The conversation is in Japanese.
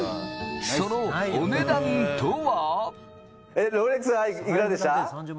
そのお値段とは？